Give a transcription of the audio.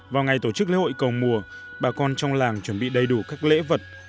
vào ngày tổ chức lễ hội cầu mùa bà con trong làng chuẩn bị đầy đủ các lễ vật